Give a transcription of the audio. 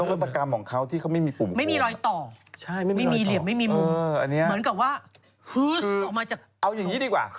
แต่ผมชอบต้นวัตกรรมของเขาที่เขาไม่มีปุ่มโค้งไม่มีรอยต่อไม่มีเหลี่ยวไม่มีมุมเหมือนกับว่าคือเอาอย่างนี้ดีกว่า